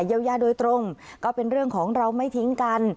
เยียวยาโดยตรงก็เป็นเรื่องของเราไม่ทิ้งกัน